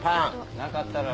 なかったら。